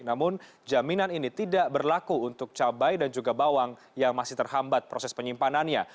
namun jaminan ini tidak berlaku untuk cabai dan juga bawang yang masih terhambat proses penyimpanannya